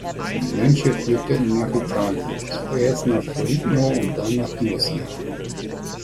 Die Mönche flüchteten nach Italien, zuerst nach Foligno, dann nach Nursia.